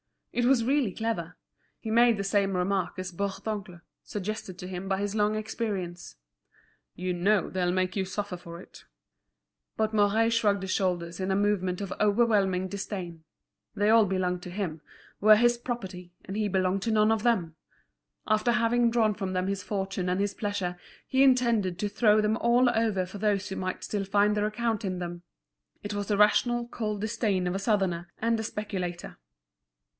It was really clever. He made the same remark as Bourdoncle, suggested to him by his long experience: "You know they'll make you suffer for it." But Mouret shrugged his shoulders in a movement of overwhelming disdain. They all belonged to him, were his property, and he belonged to none of them. After having drawn from them his fortune and his pleasure, he intended to throw them all over for those who might still find their account in them. It was the rational, cold disdain of a Southerner and a speculator.